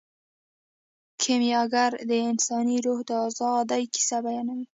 کیمیاګر د انساني روح د ازادۍ کیسه بیانوي.